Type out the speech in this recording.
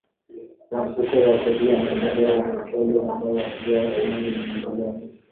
kwa Mfuko wa Kodi ya Maendeleo ya Petroli uhaba huo umeendelea